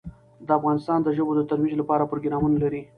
افغانستان د ژبو د ترویج لپاره پروګرامونه لري.